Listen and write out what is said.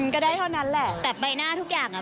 ก็ได้เท่านั้นแหละแต่ใบหน้าทุกอย่างอ่ะ